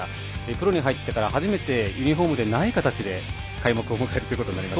プロに入ってから初めて、ユニフォームでない形で開幕を迎えることに。